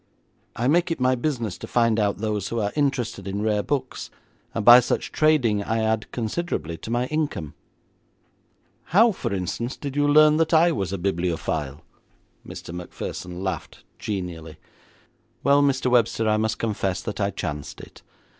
I make it my business to find out those who are interested in rare books, and by such trading I add considerably to my income.' 'How, for instance, did you learn that I was a bibliophile?' Mr. Macpherson laughed genially. 'Well, Mr. Webster, I must confess that I chanced it.